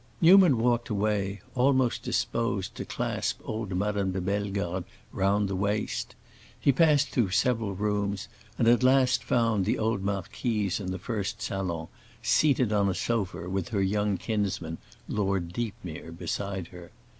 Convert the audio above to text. Newman walked away, almost disposed to clasp old Madame de Bellegarde round the waist. He passed through several rooms and at last found the old marquise in the first saloon, seated on a sofa, with her young kinsman, Lord Deepmere, beside her.